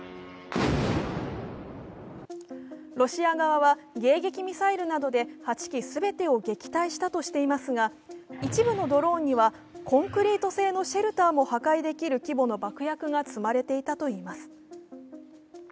ロシア側は迎撃ミサイルなどで８機全てを撃退したとしていますが一部のドローンにはコンクリート製のシェルターも破壊できる規模の爆薬も積まれていいます。